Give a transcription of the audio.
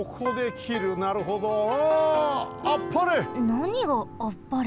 なにがあっぱれ？